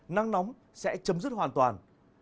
nắng nóng sẽ chấm dứt hoàn toàn